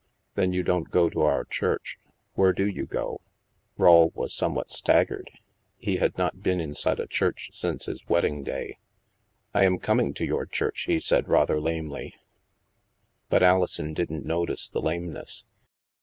" Then you don't go to our church. Where do you go ?" Rawle was somewhat staggered. He had not been inside a church since his wedding day. " I am coming to your church," he said rather lamely. But Alison didn't notice the lameness.